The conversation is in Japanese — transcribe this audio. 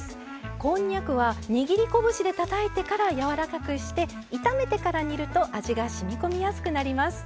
こんにゃくは握り拳でたたいてから、やわらかくして炒めてから煮ると味がしみこみやすくなります。